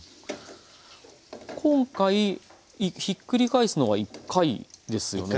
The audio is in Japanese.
今回ひっくり返すのは１回ですよね？